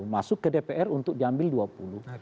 masuk ke dpr untuk diambil dua puluh